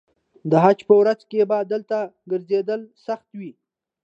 د حج په ورځو کې به دلته ګرځېدل سخت وي.